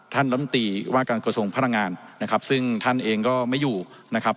ลำตีว่าการกระทรวงพลังงานนะครับซึ่งท่านเองก็ไม่อยู่นะครับ